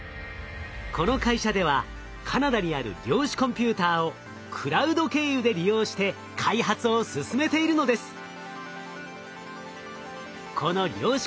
この会社ではカナダにある量子コンピューターをクラウド経由で利用して開発を進めているのです。